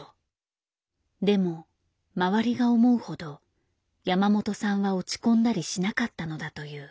でも周りが思うほど山本さんは落ち込んだりしなかったのだという。